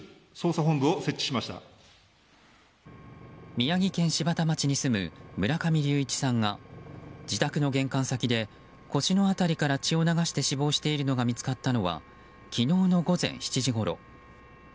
宮城県柴田町に住む村上隆一さんが自宅の玄関先で腰の辺りから血を流して死亡しているのが見つかったのは昨日の午前７時ごろ。